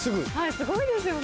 すごいですよね。